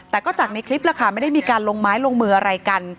แต่ก็จากในคลิปล่ะค่ะไม่ได้มีการลงไม้ลงมืออะไรกัน